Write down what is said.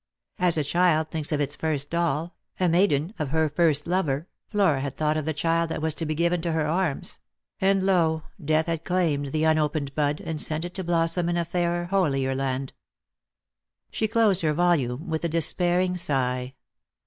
As a child thinks of its first doll, a maiden of her first lover, Flora had thought of the child that was to be given to her arms ; and lo, death had claimed the unopened bud, and sent it to blossom in a fairer, holier land. She closed her volume with a despairing sigh.